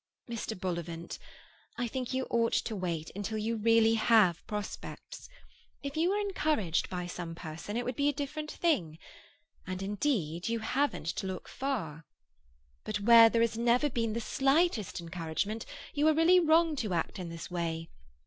"Mr. Bullivant, I think you ought to wait until you really have prospects. If you were encouraged by some person, it would be a different thing. And indeed you haven't to look far. But where there has never been the slightest encouragement, you are really wrong to act in this way.